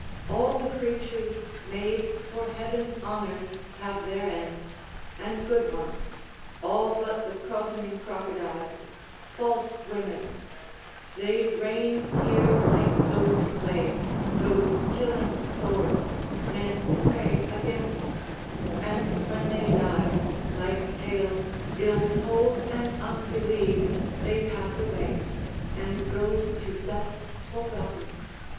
All the creatures Made for Heaven's honors have their ends, and good ones, All but the cozening crocodiles, false women: They reign here like those plagues, those killing sores, Men pray against; and when they die, like tales Ill told and unbelieved, they pass away, And go to dust forgotten.